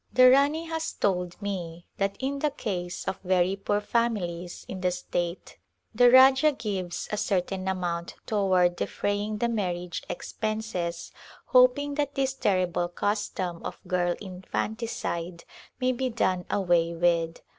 The Rani has told me that in the case of very poor families in the state the Rajah gives a certain amount toward defraying the marriage expenses hoping that this terrible custom of girl infanticide may be done away with.